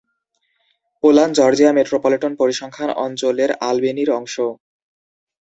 Pollan Georgia metropolitan পরিসংখ্যান অঞ্চলের আলবেনির অংশ।